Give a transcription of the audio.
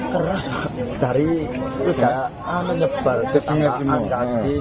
keras dari menyebar tangan kaki